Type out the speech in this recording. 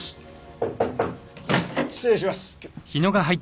失礼します。